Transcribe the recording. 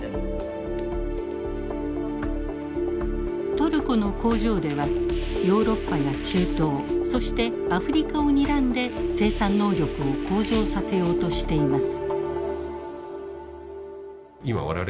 トルコの工場ではヨーロッパや中東そしてアフリカをにらんで生産能力を向上させようとしています。